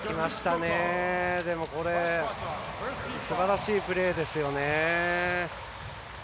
でも、すばらしいプレーですよね。